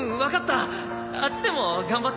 あっちでも頑張ってな。